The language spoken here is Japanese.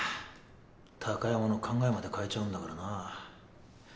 貴山の考えまで変えちゃうんだからな。